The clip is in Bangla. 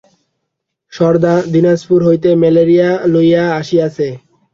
সারদা দিনাজপুর হইতে ম্যালেরিয়া লইয়া আসিয়াছে।